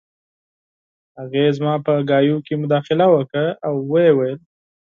هغې زما په خبرو کې مداخله وکړه او وویې ویل